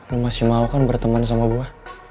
lo masih mau kan berteman sama gue